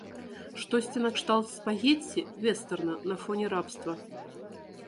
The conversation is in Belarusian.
Штосьці накшталт спагецці-вестэрна на фоне рабства.